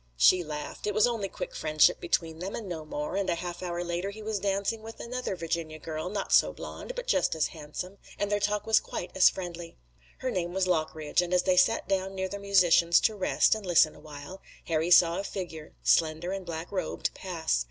She laughed. It was only quick friendship between them and no more, and a half hour later he was dancing with another Virginia girl, not so blonde, but just as handsome, and their talk was quite as friendly. Her name was Lockridge, and as they sat down near the musicians to rest, and listen a while, Harry saw a figure, slender and black robed, pass.